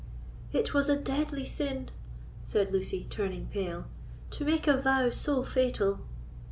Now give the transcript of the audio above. "It was a deadly sin," said Lucy, turning pale, "to make a vow so fatal."